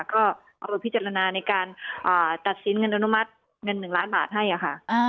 ก็เอามาพิจารณาในการตัดสินเงินอนุมัติเงิน๑ล้านบาทให้ค่ะ